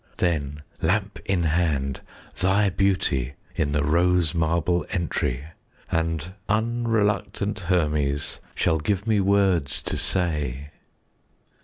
Then, lamp in hand, thy beauty In the rose marble entry! And unreluctant Hermes 15 Shall give me words to say.